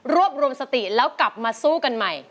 รวมสติแล้วกลับมาสู้กันใหม่